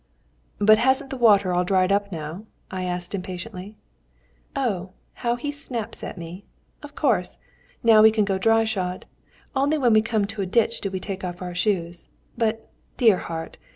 "But hasn't the water all dried up now?" I asked impatiently. "Oh, how he snaps at me! Of course! Now we can go dry shod. Only when we come to a ditch do we take off our shoes. But, dear heart!